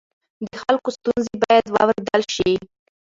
د خلکو ستونزې باید واورېدل شي.